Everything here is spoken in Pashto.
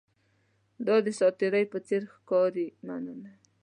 دا د ساتیرۍ په څیر ښکاري، مننه!